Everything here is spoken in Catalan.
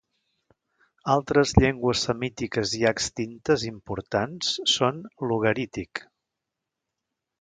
Altres llengües semítiques ja extintes importants són l'ugarític.